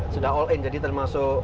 sudah all in jadi termasuk